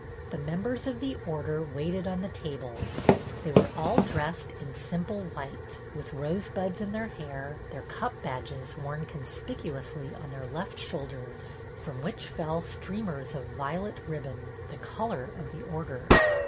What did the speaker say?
The members of the Order waited on the tables. They were all dressed in simple white, with rosebuds in their hair, their Cup badges worn conspicuously on their left shoulders, from which fell streamers of violet ribbon, the color of the Order.